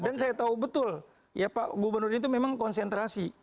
dan saya tahu betul pak gubernur itu memang konsentrasi